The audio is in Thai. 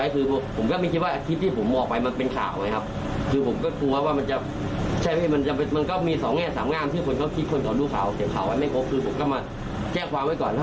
พี่เติมมันไป๕๐๐แล้วทำอย่างนี้แล้ว